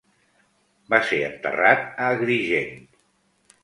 Va ser enterrat a Agrigent.